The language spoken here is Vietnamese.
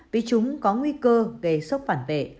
vì chúng có nguy cơ gây sốc phản vệ